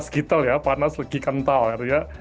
nas gitel ya panas lagi kental